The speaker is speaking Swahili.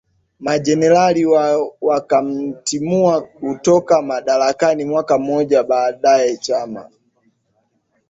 majenerali wakamtimua kutoka madarakani Mwaka mmoja baadae chama